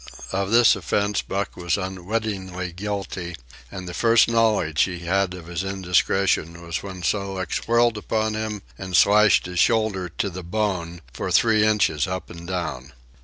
Of this offence Buck was unwittingly guilty, and the first knowledge he had of his indiscretion was when Sol leks whirled upon him and slashed his shoulder to the bone for three inches up and down.